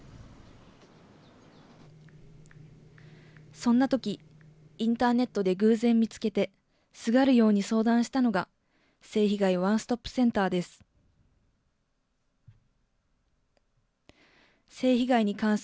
そんなとき、インターネットで偶然見つけて、すがるように相談したのが、性被害ワンストップセンターです。